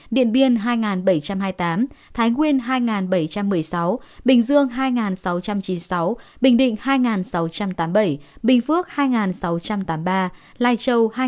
điện biên hai bảy trăm hai mươi tám thái nguyên hai bảy trăm một mươi sáu bình dương hai sáu trăm chín mươi sáu bình định hai sáu trăm tám mươi bảy bình phước hai sáu trăm tám mươi ba lai châu hai năm trăm chín mươi chín